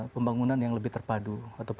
pembangunan yang lebih terpadu